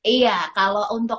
iya kalau untuk